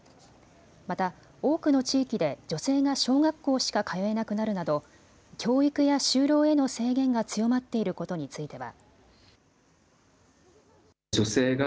また多くの地域で女性が小学校しか通えなくなるなど教育や就労への制限が強まっていることについては。